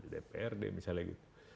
dprd misalnya gitu